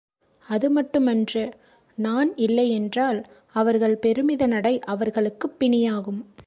அது மட்டும் அன்று நாண் இல்லை என்றால் அவர்கள் பெருமித நடை அவர்களுக்குப் பிணியாகும்.